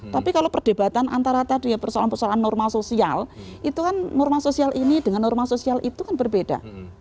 tapi kalau perdebatan antara tadi ya persoalan persoalan normal sosial itu kan norma sosial ini dengan norma sosial itu kan berbeda